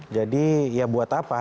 jadi ya buat apa